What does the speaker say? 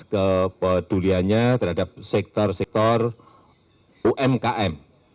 kepeduliannya terhadap sektor sektor umkm